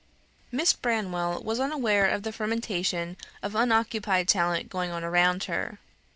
Miss Branwell was unaware of the fermentation of unoccupied talent going on around her.